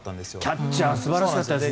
キャッチャー素晴らしかったですね。